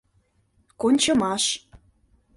КОНЧЫМАШ